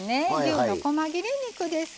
牛のこま切れ肉です。